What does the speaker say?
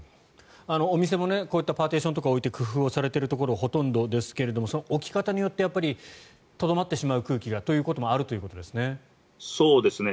お店もこういったパーティションとかを置いて工夫されているところがほとんどですが置き方によってとどまってしまう空気がということもあるわけですね。